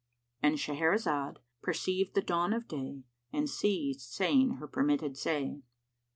"—And Shahrazad perceived the dawn of day and ceased saying her permitted say.